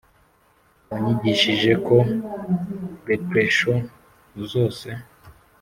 wanyigishije ko leprechaun zose